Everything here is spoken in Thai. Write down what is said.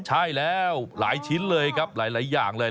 ใช่แล้วหลายชิ้นเลยครับหลายอย่างเลย